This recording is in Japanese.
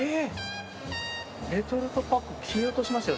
レトルトパック切り落としましたよ。